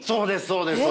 そうです！